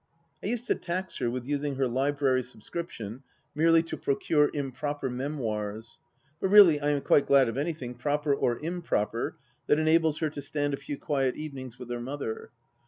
.,. I used to tax her with using her Library subscription merely to procure Improper Memoirs, but really I am quite glad of anything, proper or improper, that enables her to stand a few quiet evenings with her mother.